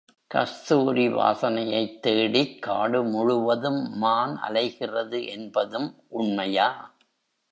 கஸ்தூரி வாசனையைத் தேடிக் காடு முழுவதும் மான் அலைகிறது என்பதும் உண்மையா?